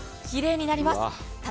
きれいになります。